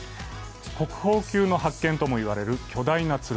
国宝級の発見ともいわれる巨大な剣。